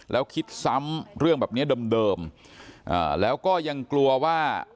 แล้วคิดซ้ำเรื่องแบบเนี้ยเดิมเดิมแล้วก็ยังกลัวว่า